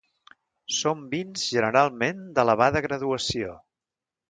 Són vins generalment d'elevada graduació.